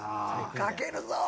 かけるぞ！